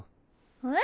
え？